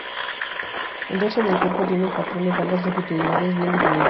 El dorso del cuerpo tiene un patrón de bandas longitudinales bien definidos.